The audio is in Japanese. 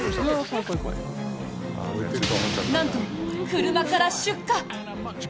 なんと車から出火。